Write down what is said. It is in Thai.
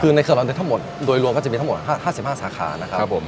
คือในครับเรามีทั้งหมด๕๕สาขานะครับ